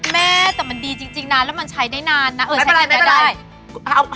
แม่แต่มันดีจริงนะแล้วมันใช้ได้นานนะเออใช้แบบได้ไม่เป็นไร